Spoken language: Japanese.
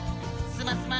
スマスマ。